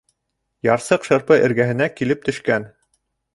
Ярсыҡ Шырпы эргәһенә килеп төшкән.